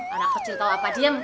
hah anak kecil tau apa diem